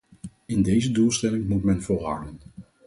In deze doelstelling moet men volharden.